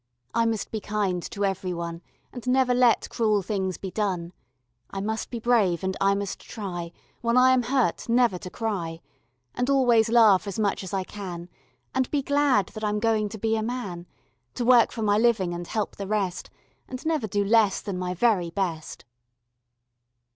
I must be kind to every one And never let cruel things be done. I must be brave, and I must try When I am hurt never to cry, And always laugh as much as I can And be glad that I'm going to be a man, To work for my living and help the rest, And never do less than my very best.